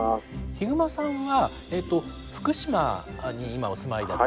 ヒグマさんは福島に今お住まいだと。